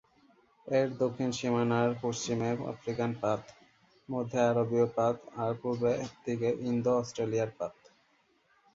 এর দক্ষিণ সীমানার পশ্চিমে আফ্রিকান পাত; মধ্যে আরবীয় পাত আর পূর্ব দিকে ইন্দো-অস্ট্রেলীয় পাত।